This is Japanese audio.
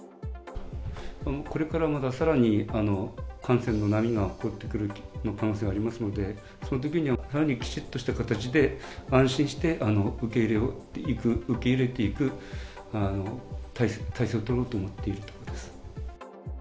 これからまたさらに感染の波が起きてくる可能性ありますので、そのときにはさらにきちっとした形で、安心して受け入れていく態勢を取ろうと思っています。